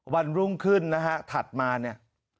วันรุ่งขึ้นนะฮะถัดมาเนี่ย